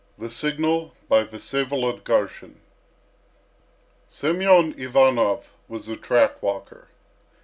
THE SIGNAL BY VSEVOLOD M. GARSHIN. Semyon Ivanov was a track walker.